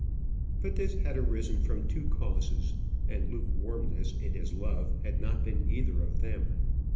But this had arisen from two causes, and lukewarmness in his love had not been either of them.